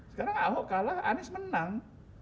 sekarang ahok kalah anies menang